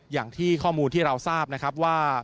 อย่างที่ข้อมูลที่เราทราบนะครับว่า